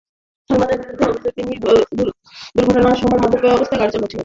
সালমানের বিরুদ্ধে অভিযোগ, তিনি দুর্ঘটনার সময় মদ্যপ অবস্থায় বেপরোয়া গতিতে গাড়ি চালাচ্ছিলেন।